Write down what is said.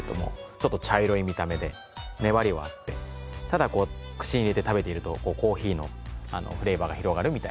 ちょっと茶色い見た目で粘りはあってただこう口に入れて食べているとコーヒーのフレーバーが広がるみたいな。